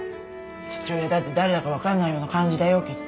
父親だって誰だかわかんないような感じだよきっと。